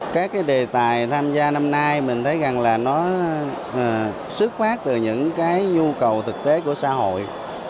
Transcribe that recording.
các cái đề tài tham gia năm nay mình thấy rằng là nó xuất phát từ những cái nhu cầu thực tế của xã hội